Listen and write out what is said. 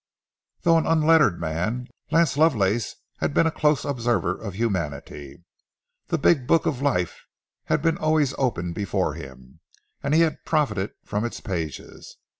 Though an unlettered man, Lance Lovelace had been a close observer of humanity. The big book of Life had been open always before him, and he had profited from its pages.